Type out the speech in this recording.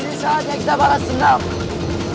mereka anak warrior